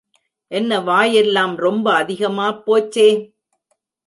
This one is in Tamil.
என்ன வாயெல்லாம் ரொம்ப அதிகமாப் போச்சே!